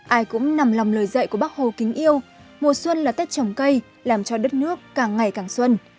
ai cũng nằm lòng lời dạy của bác hồ kính yêu mùa xuân là tết trồng cây làm cho đất nước càng ngày càng xuân